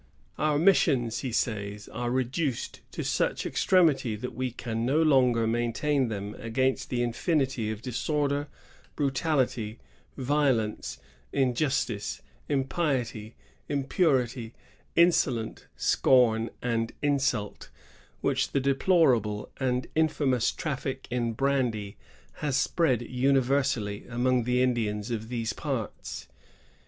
"Our missions," he says, " are reduced to such extremity that we can no longer maintain them against the infinity of disorder, brutal ity, violence, injustice, impiety, impurity, insolence, scorn, and insult, which the deplorable and infamous traffic in brandy has spread universally among the 120 MISSIONS. — BRANDY QUESTION. [1663 1702. Indians of these parts.